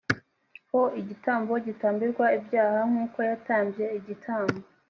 ho igitambo gitambirwa ibyaha nk uko yatambye igitambo